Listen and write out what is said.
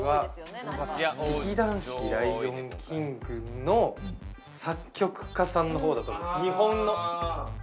劇団四季『ライオンキング』の作曲家さんの方だと思います、日本の。